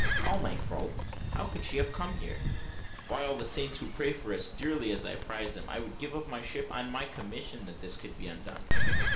"All my fault! How could she have come here?" "By all the saints who pray for us dearly as I prize them, I would give up my ship and my commission, that this could be undone."